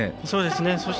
そうですね。